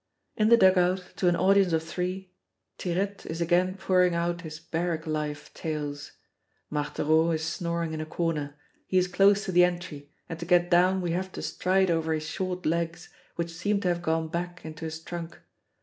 In the dug out, to an audience of three, Tirette is again pouring out his barrack life tales. Marthereau is snoring in a corner; he is close to the entry, and to get down we have to stride over his short legs, which seem to have gone back into his trunk.